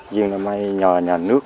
dường là may nhỏ nhà nước